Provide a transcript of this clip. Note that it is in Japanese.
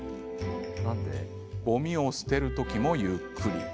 ごみを捨てる時も、ゆっくり。